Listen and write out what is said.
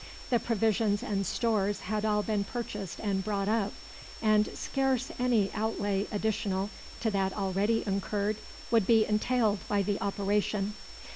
The provisions and stores had all been purchased and brought up, and scarce any outlay additional to that already incurred would be entailed by the operation.